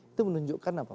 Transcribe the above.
itu menunjukkan apa